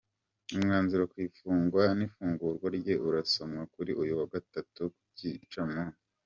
Umwanzuro ku ifungwa n’ifungurwa rye urasomwa kuri uyu wa Gatatu ku gicamunsi.